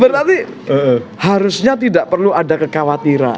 berarti harusnya tidak perlu ada kekhawatiran